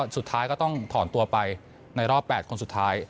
สุดท้ายก็ต้องถอนตัวไปในรอบ๘คนสุดท้าย